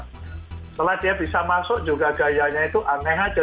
setelah dia bisa masuk juga gayanya itu aneh aja